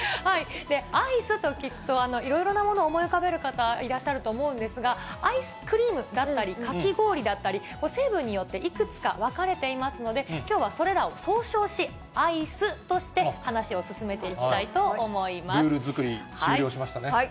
アイスと聞くと、いろいろなものを思い浮かべる方いらっしゃると思うんですが、アイスクリームだったり、かき氷だったり、成分によっていくつか分かれていますので、きょうはそれらを総称し、アイスとして話を進めていきたいと思いルール作り、終了しましたね。